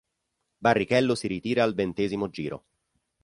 Barrichello si ritira al ventesimo giro.